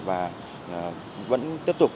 và vẫn tiếp tục